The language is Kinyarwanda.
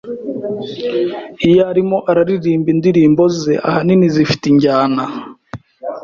iyo arimo araririmba indirimbo ze ahanini zifite injyana